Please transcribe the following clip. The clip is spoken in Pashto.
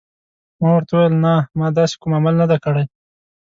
ما ورته وویل: نه، ما داسې کوم عمل نه دی کړی.